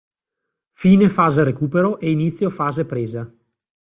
Fine fase recupero e inizio fase presa.